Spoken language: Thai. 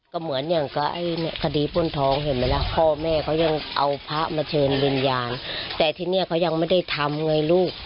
ก็เหมือนอย่างกับไอ้คดีป้นทองเห็นไหมล่ะพ่อแม่เขายังเอาพระมาเชิญวิญญาณแต่ทีนี้เขายังไม่ได้ทำไงลูก